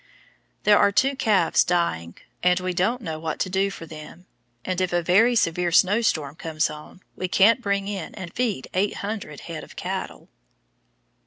There are two calves dying, and we don't know what to do for them; and if a very severe snow storm comes on, we can't bring in and feed eight hundred head of cattle.